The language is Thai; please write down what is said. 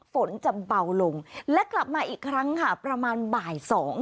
ฝนจะเบาลงและกลับมาอีกครั้งค่ะประมาณบ่ายสอง